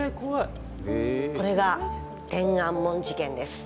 これが天安門事件です。